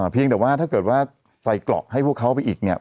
เพียงแต่ว่าถ้าเกิดว่าใส่เกราะให้พวกเขาไปอีกเนี่ย